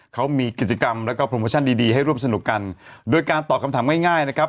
เขามีกิจกรรมแล้วก็โปรโมชั่นดีดีให้ร่วมสนุกกันโดยการตอบคำถามง่ายง่ายนะครับ